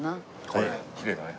これきれいだね。